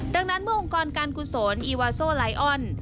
ดังนั้นเมื่อองค์กรการกุศลอีวาโซไลออน